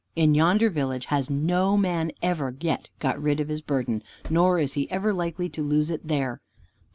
In yonder village has no man ever yet got rid of his burden, nor is he ever likely to lose it there.